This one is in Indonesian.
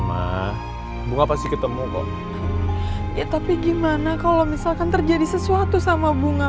mah bunga pasti ketemu kok ya tapi gimana kalau misalkan terjadi sesuatu sama bunga